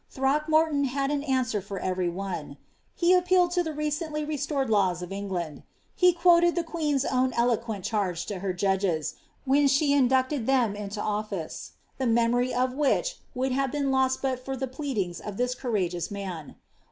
Throckmorton had an answer for every one ; he appealed to the recently restore<l laws of England ; he quoted the queen^s own elo(]uent chaT|re to her judges,* when she inducted ihcm into office, the memory of which would have been lost but ff)r the pleadings of this courageous man.